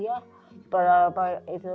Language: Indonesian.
senang neng kita masih kali shayah